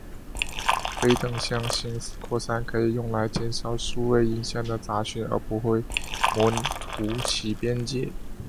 非等向性扩散可以用来减少数位影像的杂讯而不会模糊其边界。